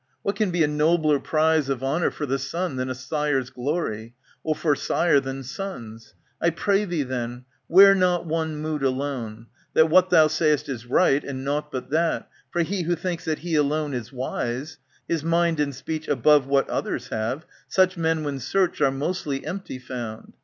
What can be A nobler prize of honour for the son Than a sire's glory, or for sire than son's ? I pray thee, then, wear not one mood alone, That what thou say'st is right, and nought but that ; For he who thinks that he alone is wise. His mind and speech above what others have. Such men when searched are mostly empty found.